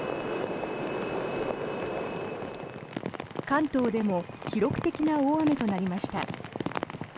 関東でも記録的な大雨となりました。